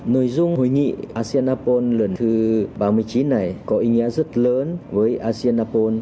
nội dung hội nghị asean apol lần thứ ba mươi chín này có ý nghĩa rất lớn với asean apol